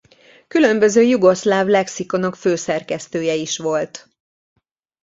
Különböző jugoszláv lexikonok főszerkesztője is volt.